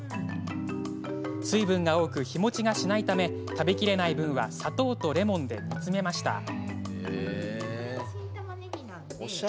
水分が多く、日もちがしないため食べきれない分は砂糖とレモンで煮詰めました。